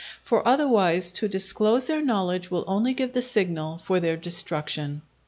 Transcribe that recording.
For otherwise, to disclose their knowledge will only give the signal for their destruction.